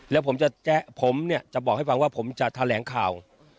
แล้วผมจะแจ๊ะผมเนี่ยจะบอกให้ฟังว่าผมจะแถลงข่าว